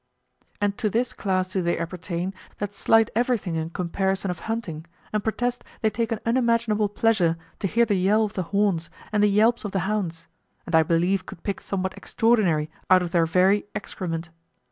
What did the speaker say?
And to this class do they appertain that slight everything in comparison of hunting and protest they take an unimaginable pleasure to hear the yell of the horns and the yelps of the hounds, and I believe could pick somewhat extraordinary out of their very excrement.